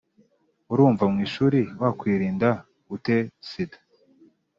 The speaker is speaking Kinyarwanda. urumva mu ishuri wakwirinda ute sida